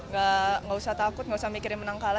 gak usah takut nggak usah mikirin menang kalah